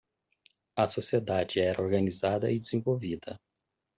A sociedade era organizada e desenvolvida.